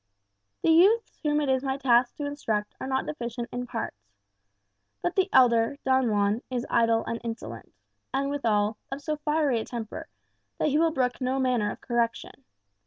"The youths whom it is my task to instruct are not deficient in parts. But the elder, Don Juan, is idle and insolent; and withal, of so fiery a temper, that he will brook no manner of correction.